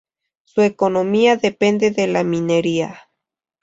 Su economía depende de la minería.